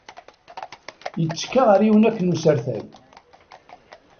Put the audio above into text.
Yettekka ɣer yiwen akken usertay.